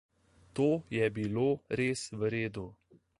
To je bilo res vredu.